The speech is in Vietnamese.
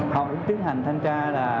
họ cũng tiến hành thanh tra